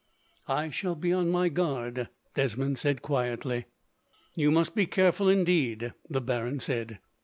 "I shall be on my guard," Desmond said quietly. "You must be careful, indeed," the baron said.